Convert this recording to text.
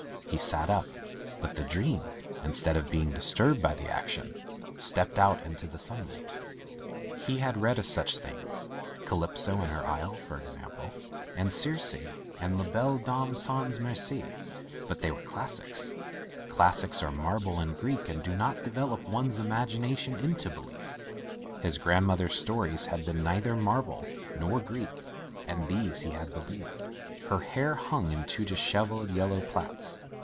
He sat up, but the dream, instead of being disturbed by the action, stepped out into the sunlight. He had read of such things — Calypso and her isle, for example, and Circe, and La Belle Dame Sans Merci — but they were clas sics. Classics are marble and Greek and do not develop one's imagination into belief. His grandmother's stories had been neither marble nor Greek, and these he had be lieved. Her hair hung in two dishevelled yellow plaits.